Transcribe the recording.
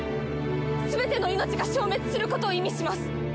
すべての命が消滅することを意味します！